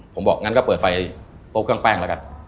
ผมบอกงั้นก็เปิดไฟโต๊ะเครื่องแป้งแล้วกัน